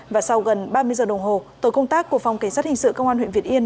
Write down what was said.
và sau gần ba mươi giờ đồng hồ tổ công tác của phòng cảnh sát hình sự công an huyện việt yên